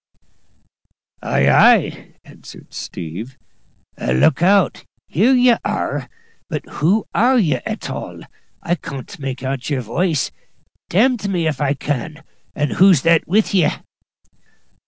"Ay, ay," answered "Steve;" "look out here ye are! But who are ye at all? I can't make out your woice, d n me if I can! And who's that with ye?"